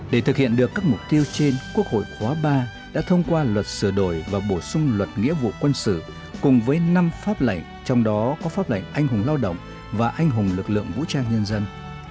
để thực hiện được các mục tiêu trên quốc hội khóa ba đã thông qua luật sửa đổi và bổ sung luật nghĩa vụ quân sự cùng với năm pháp lệnh trong đó có pháp lệnh anh hùng lao động và anh hùng lực lượng vũ trang nhân dân